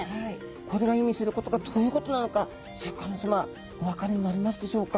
これが意味することがどういうことなのかシャーク香音さまお分かりになりますでしょうか？